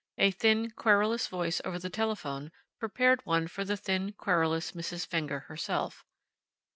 A thin, querulous voice over the telephone prepared one for the thin, querulous Mrs. Fenger herself.